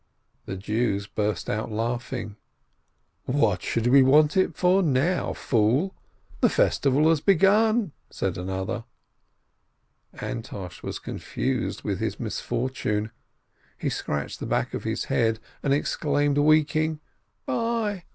The Jews burst out laughing. 'What should we want it for now, fool ?" "The festival has begun!" said another. Antosh was confused with his misfortune, he scratched the back of his head, and exclaimed, weeping: "Buy!